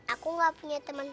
aku gak punya teman